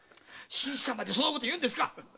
新さんまでそんなこと言うんですか？